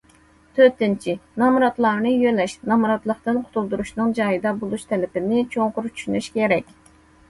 تۆتىنچى، نامراتلارنى يۆلەش، نامراتلىقتىن قۇتۇلدۇرۇشنىڭ جايىدا بولۇش تەلىپىنى چوڭقۇر چۈشىنىش كېرەك.